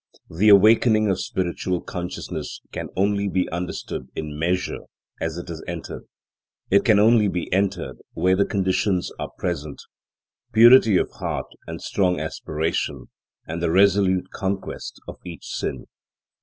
The awakening of spiritual consciousness can only be understood in measure as it is entered. It can only be entered where the conditions are present: purity of heart, and strong aspiration, and the resolute conquest of each sin.